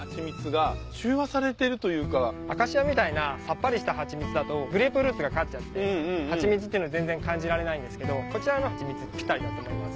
アカシアみたいなさっぱりしたはちみつだとグレープフルーツが勝っちゃってはちみつっての全然感じられないんですけどこちらのはちみつぴったりだと思います。